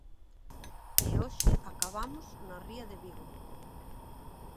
E hoxe acabamos na ría de Vigo.